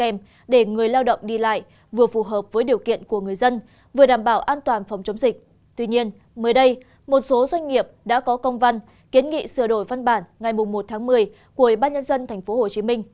mới đây một số doanh nghiệp đã có công văn kiến nghị sửa đổi văn bản ngày một một mươi của bác nhân dân tp hcm